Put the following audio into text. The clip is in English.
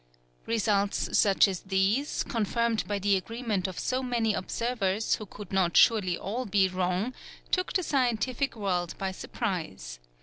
Results such as these, confirmed by the agreement of so many observers, who could not surely all be wrong, took the scientific world by surprise.